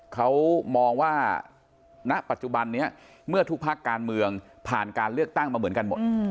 เขามองว่าณปัจจุบันนี้เมื่อทุกภาคการเมืองผ่านการเลือกตั้งมาเหมือนกันหมด